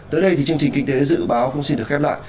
tới đây thì chương trình kinh tế dự báo cũng xin được khép lại